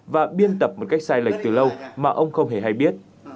và biên tập một cách sai lệch từ lâu mà ông không hề hay biết